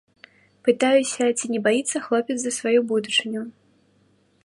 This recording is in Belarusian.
Пытаюся, ці не баіцца хлопец за сваю будучыню.